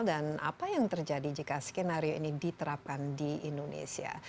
apa yang terjadi jika skenario ini diterapkan di indonesia